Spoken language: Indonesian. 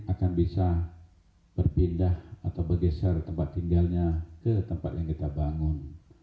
akan bisa berpindah atau bergeser tempat tinggalnya ke tempat yang kita bangun